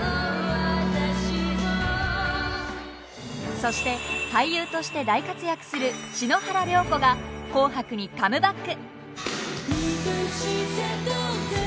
そして俳優として大活躍する篠原涼子が「紅白」にカムバック！